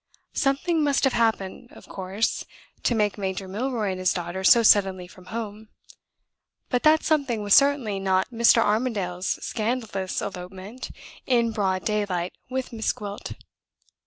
Something must have happened, of course, to take Major Milroy and his daughter so suddenly from home; but that something was certainly not Mr. Armadale's scandalous elopement, in broad daylight, with Miss Gwilt.